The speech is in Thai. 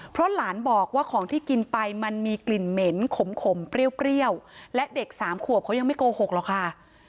เพราะหลานบอกว่าของที่กินไปมันมีกลิ่นเหม็นขมเปรี้ยวและเด็กสามขวบเขายังไม่โกหกหรอกค่ะ